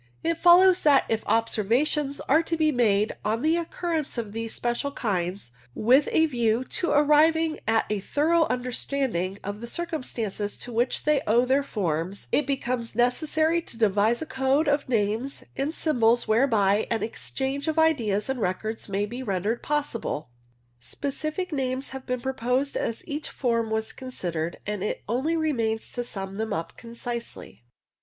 It follows that if observations are to be made on the occurrence of these special kinds, with a view to arriving at a thorough understanding of the circumstances to which they owe their forms, it becomes necessary to devise a code of names and symbols whereby an interchange of ideas and records may be rendered possible. Specific names have been proposed as each form was considered, and it only remains to sum them up concisely.